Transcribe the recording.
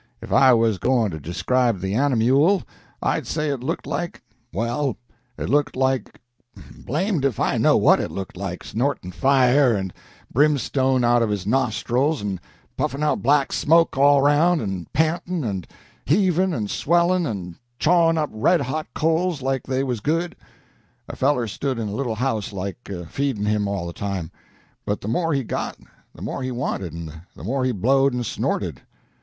If I was goin' to describe the animule, I'd say it looked like well, it looked like blamed if I know what it looked like, snorting fire and brimstone out of his nostrils, and puffin' out black smoke all 'round, and pantin', and heavin', and swellin', and chawin' up red hot coals like they was good. A feller stood in a little house like, feedin' him all the time; but the more he got, the more he wanted and the more he blowed and snorted.